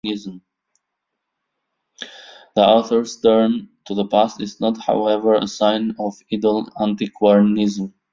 The author's turn to the past is not, however, a sign of idle antiquarianism.